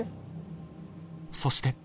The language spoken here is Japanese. そして